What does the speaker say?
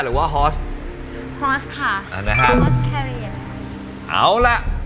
อียมขอบคุณครับ